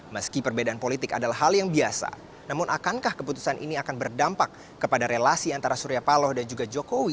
meski perbedaan politik adalah hal yang biasa namun akankah keputusan ini akan berdampak kepada relasi antara surya paloh dan juga jokowi